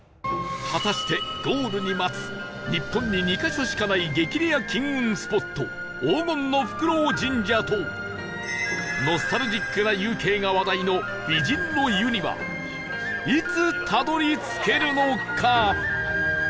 果たしてゴールに待つ日本に２カ所しかない激レア金運スポット黄金のフクロウ神社とノスタルジックな夕景が話題の美人の湯にはいつたどり着けるのか？